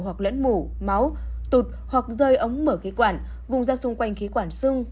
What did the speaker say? hoặc lẫn mủ máu tụt hoặc rơi ống mở khí quản vùng ra xung quanh khí quản sưng